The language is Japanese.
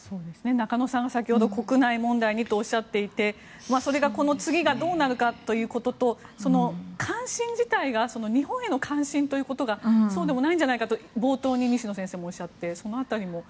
中野さん、先ほど国内問題にとおっしゃっていてそれが、この次がどうなるかということと関心自体が日本への関心ということがそうでもないんじゃないかと冒頭に西野先生もおっしゃってその辺りも。